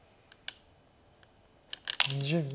２０秒。